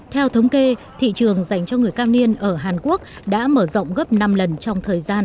theo thống kê thị trường dành cho người cao niên ở hàn quốc đã mở rộng gấp năm lần trong thời gian